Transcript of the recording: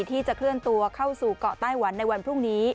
ที่จะเคลื่อนตัวเข้าสู่เกาะไต้หวันในวันพรุ่งนี้